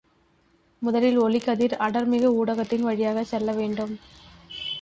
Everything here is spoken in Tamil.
முதலில் ஒளிக்கதிர் அடர்மிகு ஊடகத்தின் வழியாகச் செல்ல வேண்டும்.